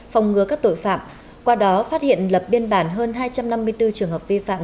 phòng ngừa các tội phạm qua đó phát hiện lập biên bản hơn hai trăm năm mươi bốn trường hợp vi phạm